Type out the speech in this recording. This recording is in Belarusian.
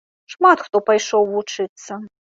Шмат хто пайшоў вучыцца.